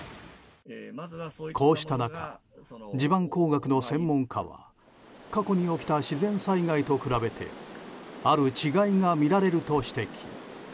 こうした中、地盤工学の専門家は過去に起きた自然災害と比べてある違いが見られると指摘。